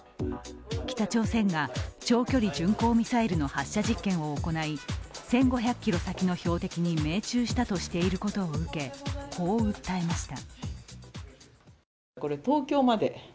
北朝鮮が長距離巡航ミサイルの発射実験を行い、１５００ｋｍ先の標的に命中したとしていることを受けこう訴えました。